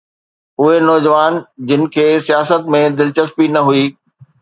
اهي نوجوان جن کي سياست ۾ دلچسپي نه هئي.